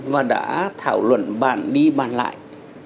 và đã thảo luận bàn đi bàn lại